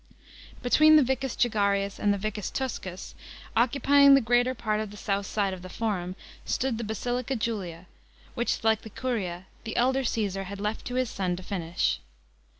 Between the Vicus Jugarius and the Vicus Tuscus, occupying the greater part of the south side of the Forum, stood the Basilica Julia, which, like the Curia, the elder Caesar had left to Ids son to finish.